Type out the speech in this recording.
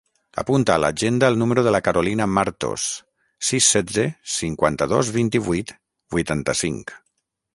Apunta a l'agenda el número de la Carolina Martos: sis, setze, cinquanta-dos, vint-i-vuit, vuitanta-cinc.